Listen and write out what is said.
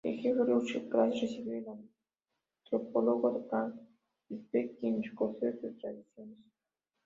El jefe Russell Clark recibió al antropólogo Frank Speck, quien recogió sus tradiciones.